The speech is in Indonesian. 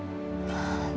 saya akan menemui suami ibu